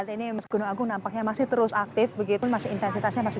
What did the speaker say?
hai ya pada saat ini mas gunung agung nampaknya masih terus aktif begitu masih intensitasnya masih